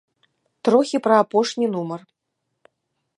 Трохі пра апошні нумар.